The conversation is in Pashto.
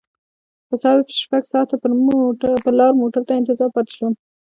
په حساب شپږ ساعته پر لار موټر ته انتظار پاتې شوم.